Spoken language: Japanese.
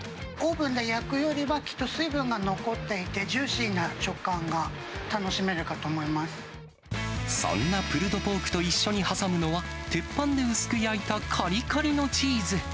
オーブンで焼くよりは、きっと水分が残っていて、ジューシーな食感が楽しめるかと思いまそんなプルドポークと一緒に挟むのは、鉄板で薄く焼いたかりかりのチーズ。